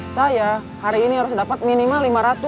saya hari ini harus dapat minimal lima ratus